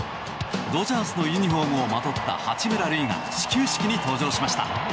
ドジャースのユニホームをまとった八村塁が始球式に登場しました。